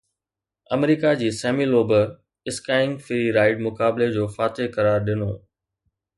آمريڪا جي سيمي لوبر اسڪائينگ فري رائيڊ مقابلي جو فاتح قرار ڏنو